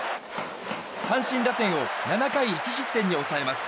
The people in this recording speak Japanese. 阪神打線を７回１失点に抑えます。